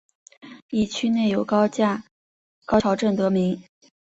以区内有高桥镇得名。